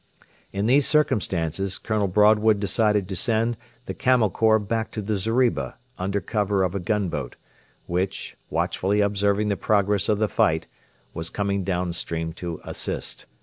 In these circumstances Colonel Broadwood decided to send the Camel Corps back to the zeriba under cover of a gunboat, which, watchfully observing the progress of the fight, was coming down stream to assist.